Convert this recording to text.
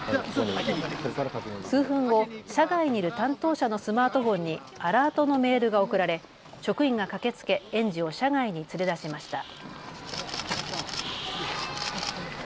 数分後、車外にいる担当者のスマートフォンにアラートのメールが送られ、職員が駆けつけ園児を車外に連れ出しました。